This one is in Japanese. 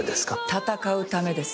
戦うためです。